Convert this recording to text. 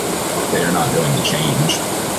They are not going to change.